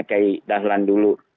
kayak dahlan dulu